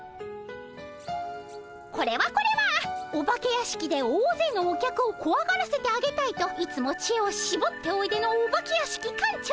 これはこれはお化け屋敷で大勢のお客をこわがらせてあげたいといつも知恵をしぼっておいでのお化け屋敷館長さま。